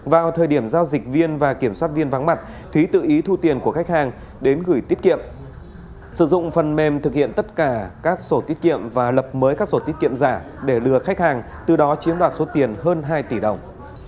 vào thời điểm giao dịch viên và kiểm soát viên vắng mặt thúy tự ý thu tiền của khách hàng đến gửi tiết kiệm sử dụng phần mềm thực hiện tất cả các sổ tiết kiệm và lập mới các sổ tiết kiệm giả để lừa khách hàng từ đó chiếm đoạt số tiền hơn hai tỷ đồng